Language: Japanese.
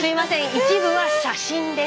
一部は写真です。